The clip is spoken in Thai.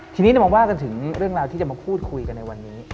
ทีนี้เรามาว่ากันถึงเรื่องราวที่จะมาพูดคุยกันในวันนี้